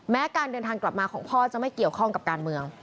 การเดินทางกลับมาของพ่อจะไม่เกี่ยวข้องกับการเมือง